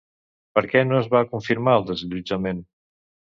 Per què no es va confirmar el desallotjament?